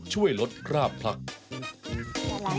ช่วยลดร่าบพลักษณ์